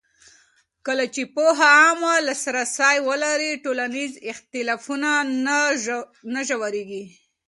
کله چې پوهنه عامه لاسرسی ولري، ټولنیز اختلافونه نه ژورېږي.